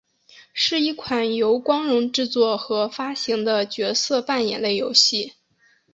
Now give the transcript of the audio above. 是一款由光荣制作和发行的角色扮演类游戏。